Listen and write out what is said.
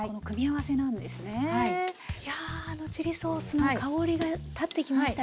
いやあのチリソースの香りが立ってきましたよ。